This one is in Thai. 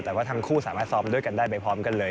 แต่ว่าทั้งคู่สามารถซ้อมด้วยกันได้ไปพร้อมกันเลย